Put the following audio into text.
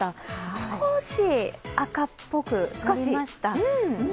少し赤っぽくなりました。